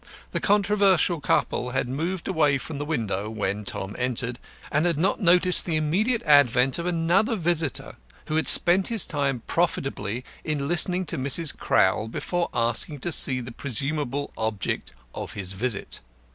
The controversial couple had moved away from the window when Tom entered, and had not noticed the immediate advent of another visitor who had spent his time profitably in listening to Mrs. Crowl before asking to see the presumable object of his visit.